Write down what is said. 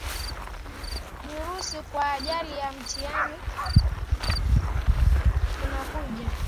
Durusu kwa ajali ya mtihani unaokuja.